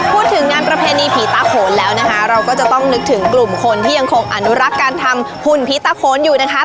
พูดถึงงานประเพณีผีตาโขนแล้วนะคะเราก็จะต้องนึกถึงกลุ่มคนที่ยังคงอนุรักษ์การทำหุ่นผีตาโขนอยู่นะคะ